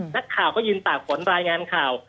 นักข่าวก็ยืนตากฝนรายงานข่าว